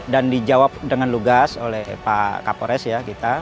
dan dijawab dengan lugas oleh pak kapores ya kita